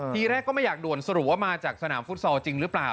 ทีแรกก็ไม่อยากด่วนสรุปว่ามาจากสนามฟุตซอลจริงหรือเปล่า